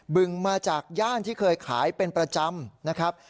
บึงมาจากย่านที่เคยขายเป็นประจำนะครับ